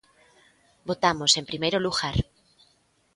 Votamos en primeiro lugar.